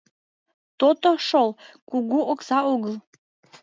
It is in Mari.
То-то шол, кугу окса огыл...